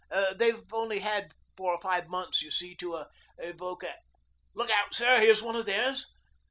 They've only had four or five months, y'see, to evolve a look out, sir! Here's one of theirs!'